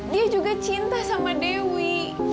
dia juga cinta sama dewi